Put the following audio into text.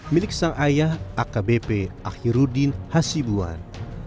milik sang ayah akbp akhirudin hasibuan